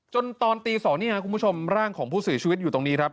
ตอนตี๒นี่ครับคุณผู้ชมร่างของผู้เสียชีวิตอยู่ตรงนี้ครับ